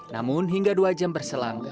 namun hingga dua jam berselang